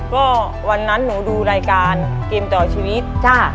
ก็วันนั้นหนูดูรายการเกมต่อชีวิตจ้ะ